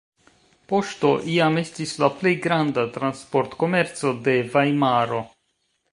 Poŝto iam estis la plej granda transportkomerco de Vajmaro.